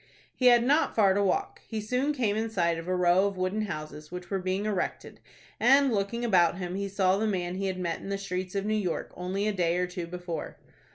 He had not far to walk. He soon came in sight of a row of wooden houses which were being erected, and, looking about him, he saw the man he had met in the streets of New York only a day or two before.